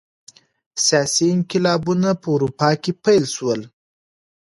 سیاسي انقلابونه په اروپا کي پیل سول.